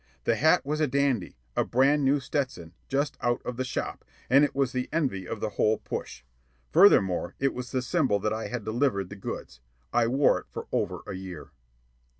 The hat was a dandy, a brand new Stetson, just out of the shop, and it was the envy of the whole push. Furthermore, it was the symbol that I had delivered the goods. I wore it for over a year.